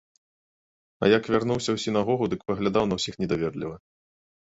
А як вярнуўся ў сінагогу, дык паглядаў на ўсіх недаверліва.